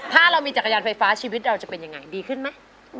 ถ้าเรามีจักรยานไฟฟ้าชีวิตเราจะเป็นยังไงดีขึ้นไหม